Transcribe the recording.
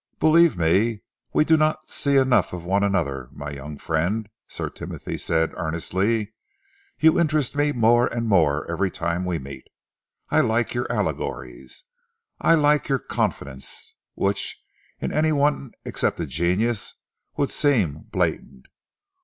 "Believe me, we do not see enough of one another, my young friend," Sir Timothy said earnestly. "You interest me more and more every time we meet. I like your allegories, I like your confidence, which in any one except a genius would seem blatant.